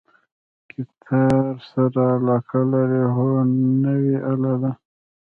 ګیتار سره علاقه لرئ؟ هو، نوی آله ده